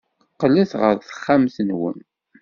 Qqlet ɣer texxamt-nwen.